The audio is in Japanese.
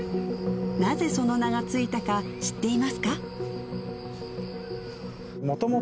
なぜその名が付いたか知っていますか？